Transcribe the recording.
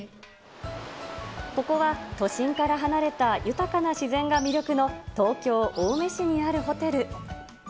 ここは都心から離れた、豊かな自然が魅力の東京・青梅市にあるホテル。